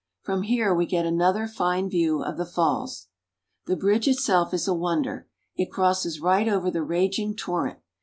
From here we get an other fine view of the falls. The bridge it self is a wonder. It crosses right over the raging torrent.